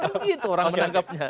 kan gitu orang menangkapnya